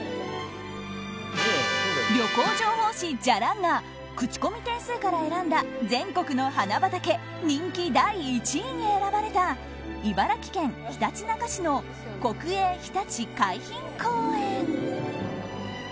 旅行情報誌じゃらんが口コミ点数から選んだ全国の花畑人気第１位に選ばれた茨城県ひたちなか市の国営ひたち海浜公園。